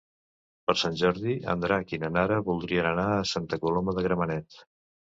Per Sant Jordi en Drac i na Nara voldrien anar a Santa Coloma de Gramenet.